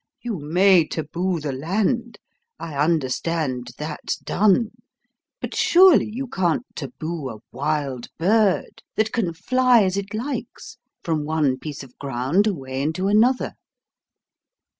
"You may taboo the land I understand that's done but surely you can't taboo a wild bird that can fly as it likes from one piece of ground away into another."